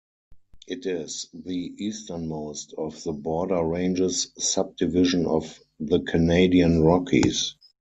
It is the easternmost of the Border Ranges subdivision of the Canadian Rockies.